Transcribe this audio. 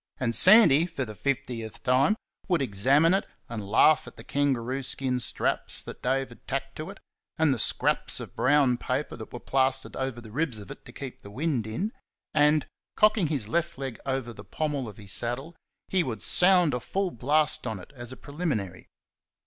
And Sandy, for the fiftieth time, would examine it and laugh at the kangaroo skin straps that Dave had tacked to it, and the scraps of brown paper that were plastered over the ribs of it to keep the wind in; and, cocking his left leg over the pommel of his saddle, he would sound a full blast on it as a preliminary.